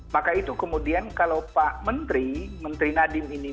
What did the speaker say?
maka itu kemudian kalau pak menteri menteri nadiem ini